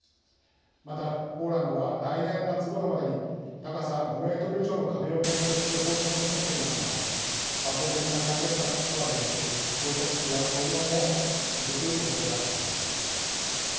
また、ポーランドは来年夏ごろまでに高さ５メートル以上の壁を建設する方針を示していますが抜本的な解決策とはいえずこうした危機は今後も続くおそれがあります。